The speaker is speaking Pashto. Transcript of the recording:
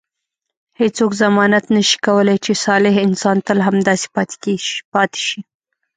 هیڅوک ضمانت نه شي کولای چې صالح انسان تل همداسې پاتې شي.